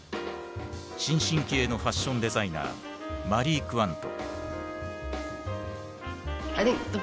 新進気鋭のファッションデザイナーマリー・クワント。